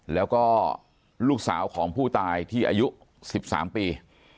แล้วก็ลูกสาวของผู้ตายที่อายุ๑๓ปี